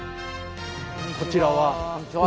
こちらは？